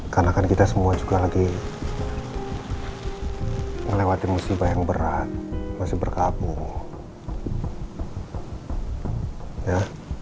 karena kan kita semua juga lagi melewati musibah yang berat masih berkapu ya